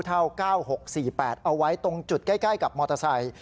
เอาไว้ตรงจุดใกล้กับมอเตอร์ไซค์